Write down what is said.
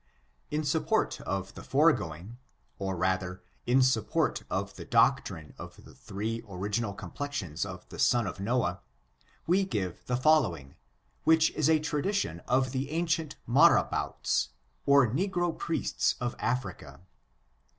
In support of the foregoing, or rather, in support of the doctrine of the three original complexions of the sons of Noah, we give the following, which is a tradition of the ancient Marabouts, or negro priests of Africa.